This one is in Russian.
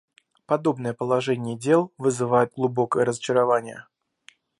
Подобное положение дел вызывает глубокое разочарование.